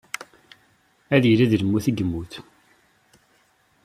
Ad yili d lmut i yemmut.